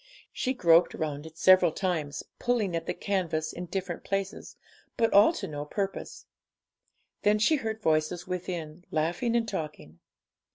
She groped round it several times, pulling at the canvas in different places, but all to no purpose. Then she heard voices within, laughing and talking.